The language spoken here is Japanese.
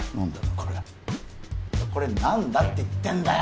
これはこれ何だって言ってんだよ！